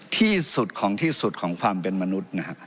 ที่สุดของที่สุดของความเป็นมนุษย์นะครับ